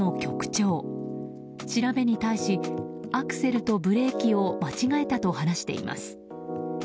調べに対しアクセルとブレーキを間違えたと話しています。